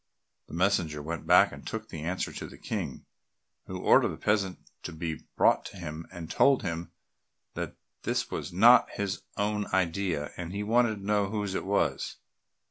The messenger went back and took the answer to the King, who ordered the peasant to be brought to him and told him that this was not his own idea, and he wanted to know whose it was?